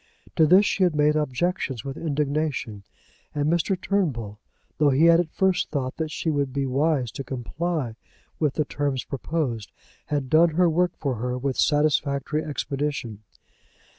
To this she had made objections with indignation, and Mr. Turnbull, though he had at first thought that she would be wise to comply with the terms proposed, had done her work for her with satisfactory expedition.